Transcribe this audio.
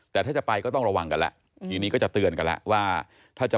แต่ถ้าจะไปก็ต้องระวังกันแล้วทีนี้ก็จะเตือนกันแล้วว่าถ้าจะ